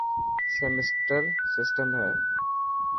سيمپٽمبر سٽم هي.